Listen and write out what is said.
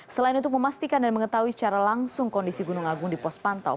selain untuk memastikan dan mengetahui secara langsung kondisi gunung agung di pos pantau